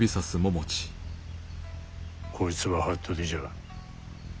こいつは服部じゃ。